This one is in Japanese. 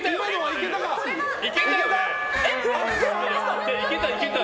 いけたよ。